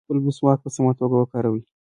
خپل مسواک په سمه توګه وکاروئ.